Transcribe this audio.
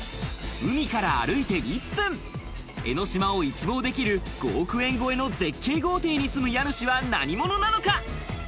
海から歩いて１分、江の島を一望できる５億円超えの絶景豪邸に住む家主は何者なのか？